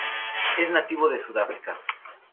Es nativo de Sudáfrica.